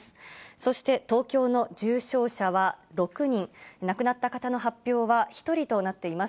そして東京の重症者は６人、亡くなった方の発表は１人となっています。